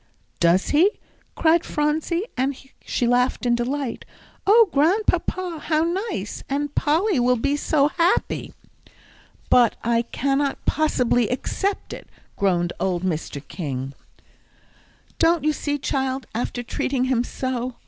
"Does he?" cried Phronsie, and she laughed in delight. "Oh, Grandpapa, how nice! And Polly will be so happy." "But I cannot possibly accept it," groaned old Mr. King; "don't you see, child, after treating him so?